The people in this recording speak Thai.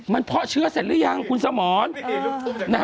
มันเพาะเชื้อเสร็จหรือยังคุณสมร